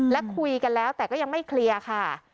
และคุยกันแล้วแต่ก็ยังไม่เคลียร์ค่ะ